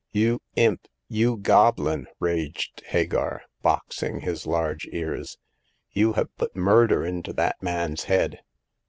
You imp ! You goblin !" raged Hagar, box ing his large ears. You have put murder into that man's head